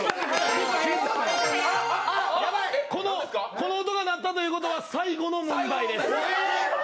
この音が鳴ったということは最後の問題です。